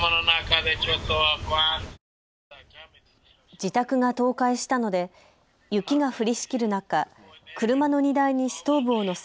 自宅が倒壊したので雪が降りしきる中、車の荷台にストーブを載せ